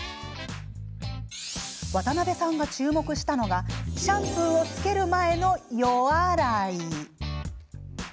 渡邉さんが注目したのがシャンプーをつける前の予洗い。